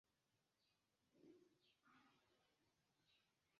La ino estas pli granda kaj pli malhela.